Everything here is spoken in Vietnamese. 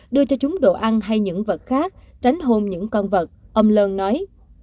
đưa cho chúng đồ ăn hay những vật khác tránh hôn những con vật ông lân nói